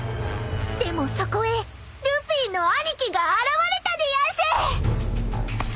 ［でもそこへルフィの兄貴が現れたでやんす］